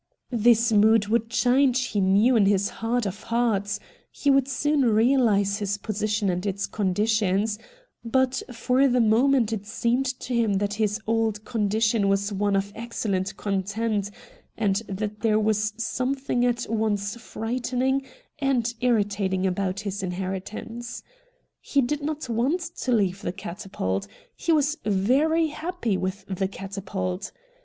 This mood would change he knew in his heart of hearts ; he would soon realise his position and its conditions ; but for the moment it seemed to him that his old condition was one of excellent content, and that there was something at once frightening and irritating about his inheritance. He did not want to leave the ' Catapult '; he was very happy with the ' Catapult.'